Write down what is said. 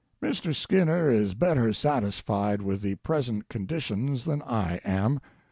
Mr. Skinner is better satisfied with the present conditions than I am.